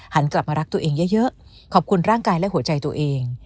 หันกลับมารักตัวเองเยอะขอบคุณร่างกายและหัวใจตัวเอง